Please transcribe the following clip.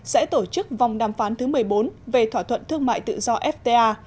sẽ tổ chức vòng đàm phán thứ một mươi bốn về thỏa thuận thương mại tự do fta